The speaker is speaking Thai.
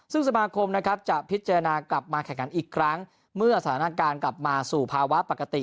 ซึ่งสมาคมนะครับจะพิจารณากลับมาแข่งขันอีกครั้งเมื่อสถานการณ์กลับมาสู่ภาวะปกติ